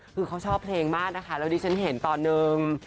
คือเขาชอบเพลงมากนะคะแล้วดิฉันเห็นตอนนึง